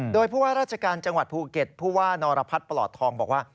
โดยผู้ว่าราชการจังหวัดภูเก็ตผู้ว่านรพัฒน์ปลอดทองบอกว่า